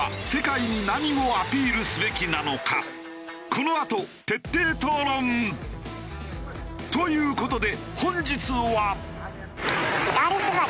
このあと徹底討論！という事で本日は。